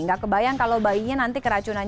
nggak kebayang kalau bayinya nanti keracunan